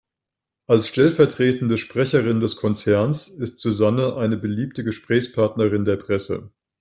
Als stellvertretende Sprecherin des Konzerns ist Susanne eine beliebte Gesprächspartnerin der Presse.